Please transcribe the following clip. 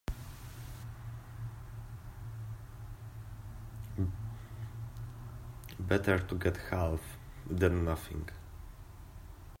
Better to get half than nothing.